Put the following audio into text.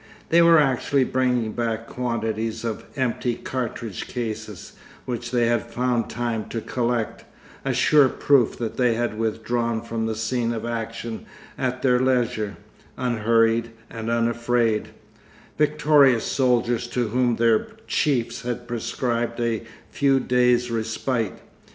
They were actually bringing back quantities of empty cartridge cases, which they had found time to collect, a sure proof that they had withdrawn from the scene of action at their leisure, unhurried and unafraid victorious soldiers to whom their chiefs had prescribed a few days' respite.